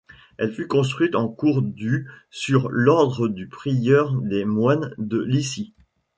Elle fut construite en cours du sur l'ordre du prieur des moines de Licy.